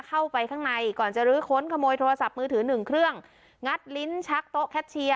เข้าไปข้างในก่อนจะลื้อค้นขโมยโทรศัพท์มือถือหนึ่งเครื่องงัดลิ้นชักโต๊ะแคชเชียร์